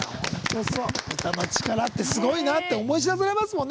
歌の力って、すごいなって思い知らされますよね。